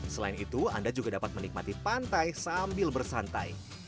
selain itu anda juga dapat menikmati pantai sambil bersantai